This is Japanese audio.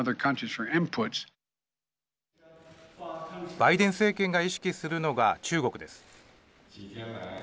バイデン政権が意識するのが中国です。